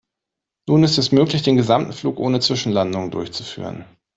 Nun ist es möglich, den gesamten Flug ohne Zwischenlandungen durchzuführen.